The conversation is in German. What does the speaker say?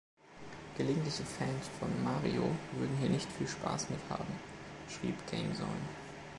Gelegentliche Fans von „Mario“ würden hier nicht viel Spaß mit haben, schrieb „GameZone“.